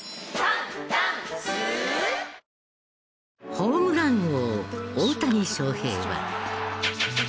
ホームラン王大谷翔平は。